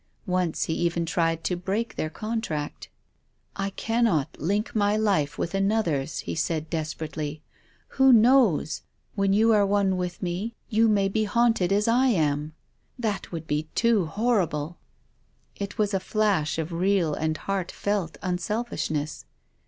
Once he even tried to break their contract. " I cannot link my life with another's," he said desperately. " Who knows — when you are one with me, you may be haunted as I am. That would be too horrible." It was a flash of real and heartfelt unselfishness.